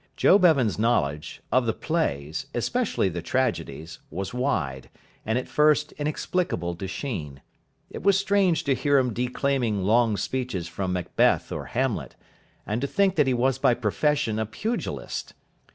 Joe Bevan's knowledge, of the plays, especially the tragedies, was wide, and at first inexplicable to Sheen. It was strange to hear him declaiming long speeches from Macbeth or Hamlet, and to think that he was by profession a pugilist.